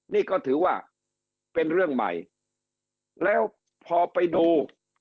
นี่ก็ถือว่าเป็นเรื่องใหม่แล้วพอไปดู